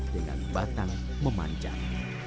dengan batang memanjang